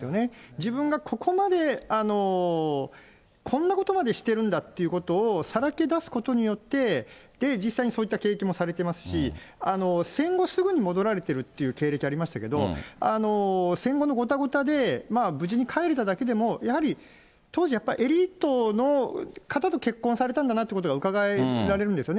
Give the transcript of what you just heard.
自分がここまで、こんなことまでしてるんだっていうことをさらけ出すことによって、実際にそういった経験もされてますし、戦後すぐに戻られてるっていう経歴ありましたけど、戦後のごたごたで、無事に帰れただけでも、やはり当時、やっぱりエリートの方と結婚されたんだなということがうかがえられるんですよね。